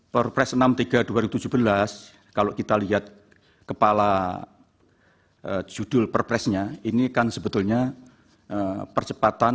perpres enam puluh tiga dua ribu tujuh belas kalau kita lihat kepala judul perpresnya ini kan sebetulnya percepatan